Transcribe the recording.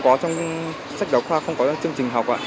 có trong sách đọc khoa không có trong chương trình học ạ